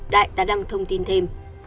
đại đã đăng thông tin thêm